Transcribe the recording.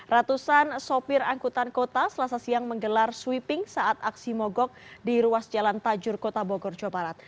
ratusan sopir angkutan kota selasa siang menggelar sweeping saat aksi mogok di ruas jalan tajur kota bogor jawa barat